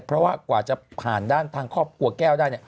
เพราะว่ากว่าจะผ่านด้านทางครอบครัวแก้วได้